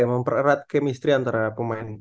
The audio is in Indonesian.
mempererat kemistri antara pemain